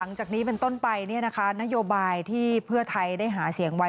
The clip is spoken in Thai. หลังจากนี้เป็นต้นไปนโยบายที่เพื่อไทยได้หาเสียงไว้